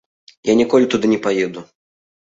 Я ніколі туды не паеду.